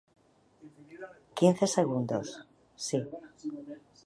Quince segundos, si.